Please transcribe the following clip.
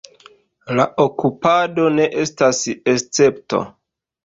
La okupado ne estas escepto.